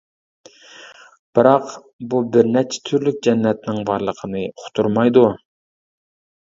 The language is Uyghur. بىراق بۇ بىر نەچچە تۈرلۈك جەننەتنىڭ بارلىقىنى ئۇقتۇرمايدۇ.